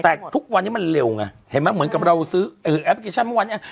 แต่ทุกวันนี้มันเร็วไงเหมือนกับเราซื้อแอปพลิกชันเมื่อวาน